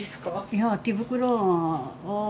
いや手袋。